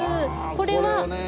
これは。